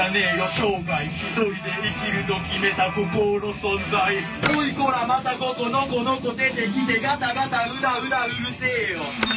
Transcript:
生涯一人で生きると決めた孤高の存在オイこらまたここノコノコ出てきてガタガタウダウダうるせえよ